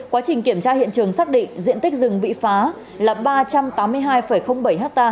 quá trình kiểm tra hiện trường xác định diện tích rừng bị phá là ba trăm tám mươi hai bảy ha